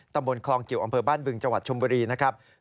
ตำรวจคลองเกี่ยวอำเภอบ้านบึงจชมบุรีนะครับ